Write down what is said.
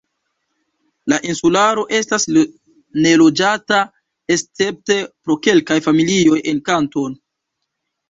La insularo estas neloĝata escepte pro kelkaj familioj en Kanton.